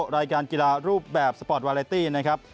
รายการกีฬารูปแบบสปอร์ตวาเลตี้นะครับ